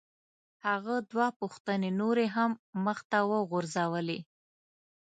هغه دوه پوښتنې نورې هم مخ ته وغورځولې.